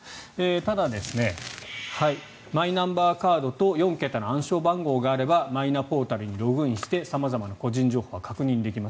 ただ、マイナンバーカードと４桁の暗証番号があればマイナポータルにログインして様々な個人情報は確認できます。